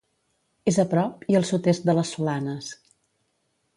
És a prop i al sud-est de les Solanes.